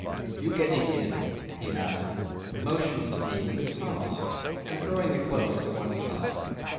"You gettee in," he added, motioning to me with his tomahawk, and throwing the clothes to one side.